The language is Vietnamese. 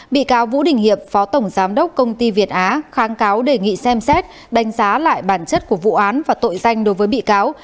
bị cáo vũ đình hiệp phó tổng giám đốc công ty việt á kháng cáo đề nghị xem xét đánh giá lại bản chất của vụ án và tội danh đối với bị cáo